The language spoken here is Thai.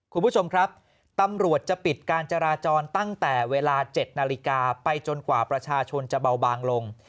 คุณผู้ชมครับตำรวจจะปิดการจราจรตั้งแต่เวลา๗นาฬิกาไปจนกว่าประชาชนจะเบาบางลง